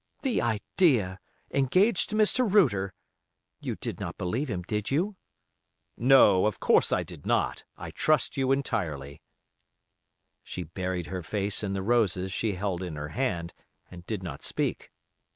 "The idea! Engaged to Mr. Router! You did not believe him, did you?" "No, of course I did not; I trust you entirely." She buried her face in the roses she held in her hand, and did not speak.